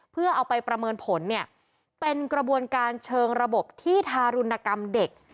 เพื่อเอาไปประเมินผลเนี่ยเป็นกระบวนการเชิงระบบที่ทารุณกรรมเด็ก